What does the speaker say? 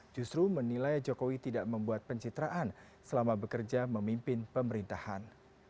justru menilai jokowi tidak membuat pencitraan selama bekerja memimpin pemerintahan